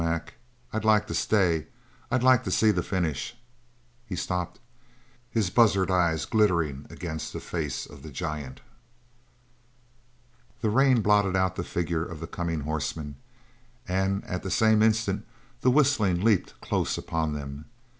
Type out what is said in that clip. Mac, I'd like to stay I'd like to see the finish " he stopped, his buzzard eyes glittering against the face of the giant. The rain blotted out the figure of the coming horseman, and at the same instant the whistling leaped close upon them.